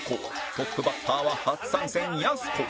トップバッターは初参戦やす子